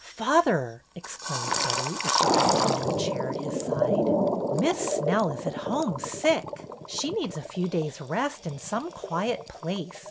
"Father," exclaimed Betty, as she dropped into a chair at his side, " Miss Snell is at home, sick. She needs a few days' rest in some quiet place.